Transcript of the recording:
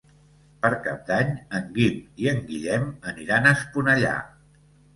Per Cap d'Any en Guim i en Guillem aniran a Esponellà.